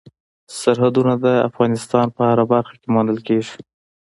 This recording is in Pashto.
سرحدونه د افغانستان په هره برخه کې موندل کېږي.